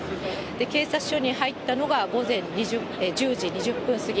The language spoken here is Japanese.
警察署に入ったのが午前１０時２０分過ぎ。